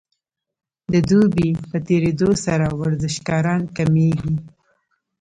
د دوبي په تیریدو سره ورزشکاران کمیږي